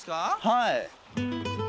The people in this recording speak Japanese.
はい。